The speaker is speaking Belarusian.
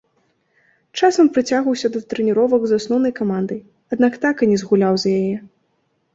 Часам прыцягваўся да трэніровак з асноўнай камандай, аднак так і не згуляў за яе.